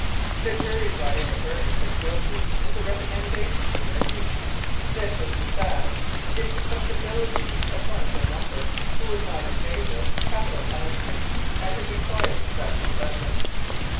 The jury brought in a verdict of "Guilty," with a recommendation to mercy. This was to salve the susceptibilities of one of their number who was not in favour of capital punishment, and who required that concession.